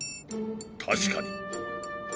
確かに。